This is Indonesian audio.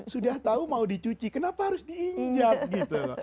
sudah tahu mau dicuci kenapa harus diinjak gitu loh